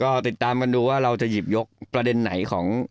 ก็ติดตามกันดูว่าเราจะหยิบยกประเด็นไหนของ